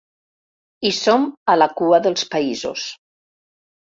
I som a la cua dels països.